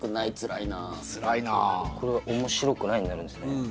これは「面白くない」になるんですね